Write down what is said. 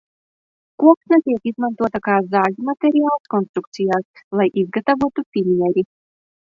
Koksne tiek izmantota kā zāģmateriāls, konstrukcijās, lai izgatavotu finieri.